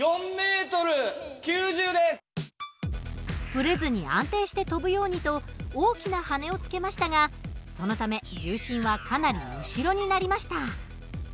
ブレずに安定して飛ぶようにと大きな羽根をつけましたがそのため重心はかなり後ろになりました。